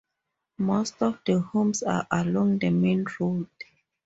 Most of the homes are along the main road.